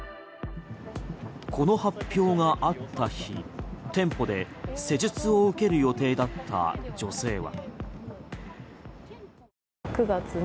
この発表があった日店舗で施術を受ける予定だった女性は。